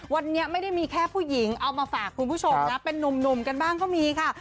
วันนี้ไม่ได้มีแค่ผู้หญิงเอามาฝากคุณผู้ชมนะเป็นนุ่มกันบ้างก็มีค่ะ